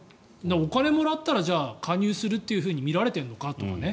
お金をもらったら加入すると見られてるのかとかね。